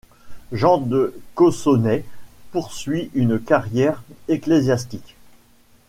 Jean de Cossonay poursuit une carrière ecclésiastique.